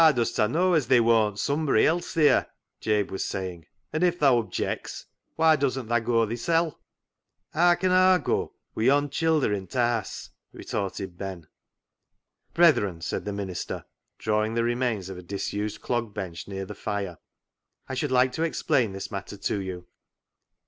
Haa does ta know as theayre worn't sumbry [somebody] else theer?" Jabe was saying, " an' if tha objects why doesn't tha goa thisell ?"•' Haa con Aw goa wi' yon childer i' t' haase ?" retorted Ben. " Brethren," said the minister, drawing the remains of a disused clog bench near the fire, " I should like to explain this matter to you.